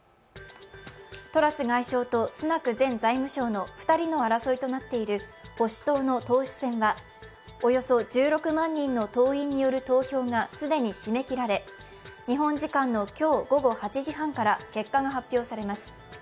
トラス外相とスナク前財務相の２人の争いとなっている保守党の党首選はおよそ１６万人の党員による投票が既に締め切られ、日本時間の今日午後８時半から結果が発表されます。